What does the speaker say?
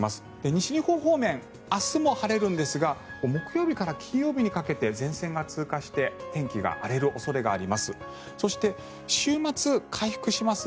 西日本方面明日も晴れるんですが木曜日から金曜日にかけて前線が通過して天気が荒れる恐れがあります。